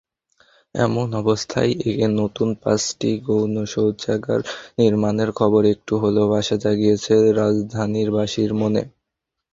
এমন অবস্থায় নতুন পাঁচটি গণশৌচাগার নির্মাণের খবর একটু হলেও আশা জাগিয়েছে রাজধানীবাসীর মনে।